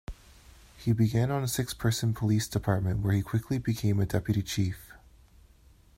He began on six-person police department where he quickly became a deputy chief.